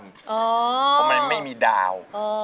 เพราะมันไม่มีดาว